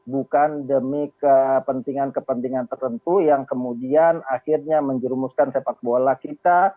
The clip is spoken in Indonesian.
bukan demi kepentingan kepentingan tertentu yang kemudian akhirnya menjerumuskan sepak bola kita